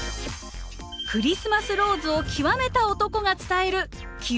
クリスマスローズを極めた男が伝える極めの道！